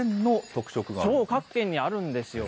そう、各県にあるんですよ。